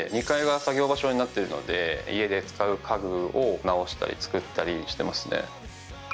２階が作業場所になってるので家で使う家具を直したり作ったりしてますね。